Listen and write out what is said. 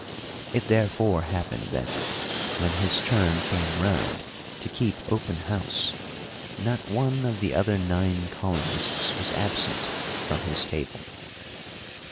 It therefore happened that, when his turn came round to keep open house, not one of the other nine colonists was absent from his table.